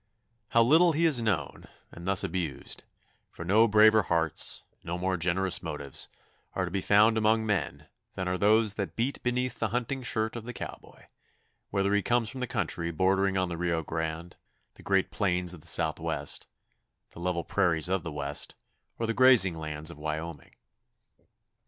How little is he known, and thus abused, for no braver hearts, no more generous motives, are to be found among men than are those that beat beneath the hunting shirt of the cowboy, whether he comes from the country bordering on the Rio Grande, the great plains of the Southwest, the level prairies of the West, or the grazing lands of Wyoming.